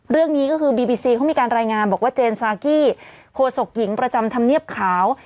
เรื่องนี้ก็คือบีบีซีเขามีการรายงานบอกว่าเจนซากี้โคศกหญิงประจำธรรมเนียบขาว